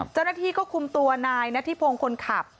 เจ้าหน้าที่ก็คุมตัวนายนัทธิพงศ์คนขับ